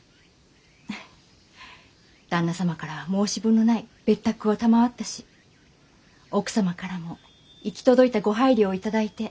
フッ旦那様から申し分のない別宅を賜ったし奥様からも行き届いたご配慮を頂いて。